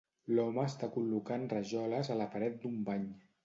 L'home està col·locant rajoles a la paret d'un bany.